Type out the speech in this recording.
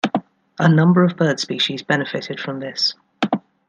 A number of bird species benefitted from this.